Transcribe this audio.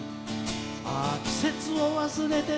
「ああ季節を忘れて」